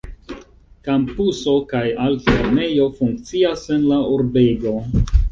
Kampuso kaj altlernejo funkcias en la urbego.